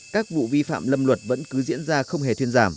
các vụ vi phạm lâm luật vẫn cứ diễn ra không hề thuyên giảm